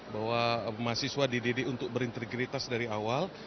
bahwa mahasiswa dididik untuk berintegritas dari awal